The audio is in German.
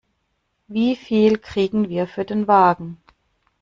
Wie viel kriegen wir für den Wagen?